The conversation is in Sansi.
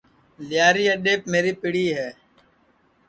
لیاری اڈؔیپ میری پڑی ہے